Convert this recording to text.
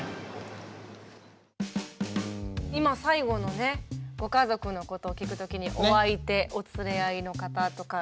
今最後のねご家族のことを聞く時に「お相手」「お連れ合いの方」とか。